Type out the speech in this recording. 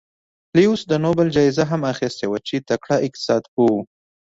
لیوس د نوبل جایزه هم اخیستې وه چې تکړه اقتصاد پوه و.